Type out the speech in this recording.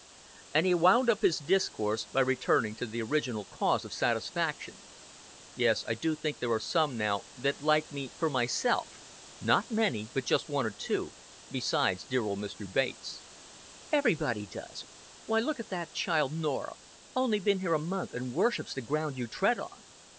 And he wound up his discourse by returning to the original cause of satisfaction. "Yes, I do think there are some now that like me for myself not many, but just one or two, besides dear old Mr. Bates." "Everybody does. Why, look at that child, Norah. Only been here a month, and worships the ground you tread on."